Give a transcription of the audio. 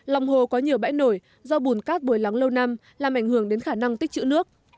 lòng hồ có nhiều bãi nổi do bùn cát bồi lắng lâu năm làm ảnh hưởng đến khả năng tích chữ nước